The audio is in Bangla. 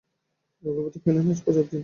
রঘুপতি কহিলেন, আজ পূজার দিন।